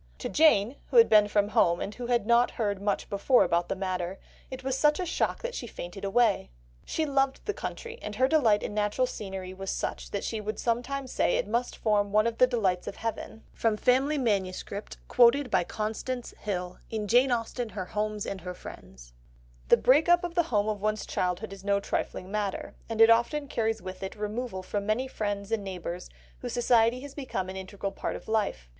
To Jane, who had been from home, and who had not heard much before about the matter, it was such a shock that she fainted away ... she loved the country, and her delight in natural scenery was such that she would sometimes say it must form one of the delights of heaven." (From Family MSS. quoted by Constance Hill, in Jane Austen, Her Homes and Her Friends.) The break up of the home of one's childhood is no trifling matter, and it often carries with it removal from many friends and neighbours whose society has become an integral part of life.